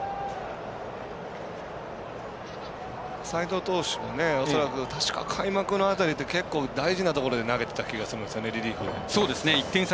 齋藤投手、恐らく確か開幕の辺りで結構大事なところで投げてた気がするんですよねリリーフ。